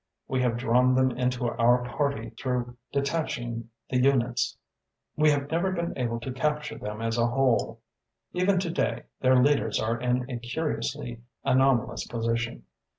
We have drawn them into our party through detaching the units. We have never been able to capture them as a whole. Even to day their leaders are in a curiously anomalous position.